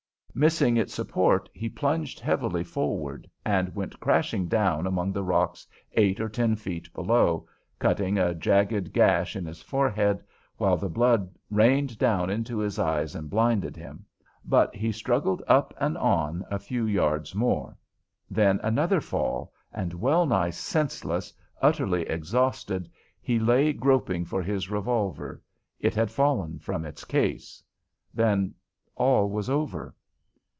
Missing its support, he plunged heavily forward, and went crashing down among the rocks eight or ten feet below, cutting a jagged gash in his forehead, while the blood rained down into his eyes and blinded him; but he struggled up and on a few yards more; then another fall, and, well nigh senseless, utterly exhausted, he lay groping for his revolver, it had fallen from its case. Then all was over.